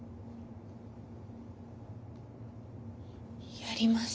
やります。